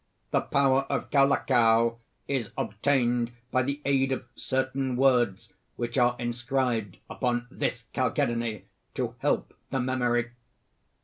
"The power of Kaulakau is obtained by the aid of certain words, which are inscribed upon this chalcedony to help the memory."